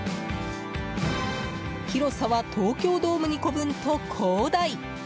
広さは東京ドーム２個分と広大。